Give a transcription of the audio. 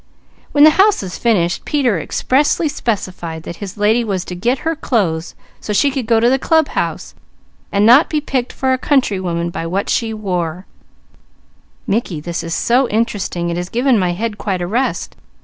When the house is finished, Peter expressly specified that his lady was to get her clothes so she could go to the club house, and not be picked for a country woman by what she wore." "Mickey, this is so interesting it has given my head quite a rest.